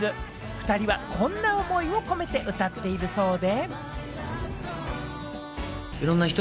２人はこんな思いを込めて歌っているそうで。